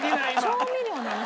調味料の話。